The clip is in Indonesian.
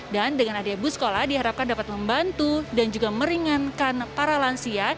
dan dengan adanya bus sekolah diharapkan dapat membantu dan juga meringankan para lansia